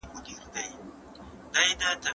بابا هوتک اسان کلمات کارولي دي.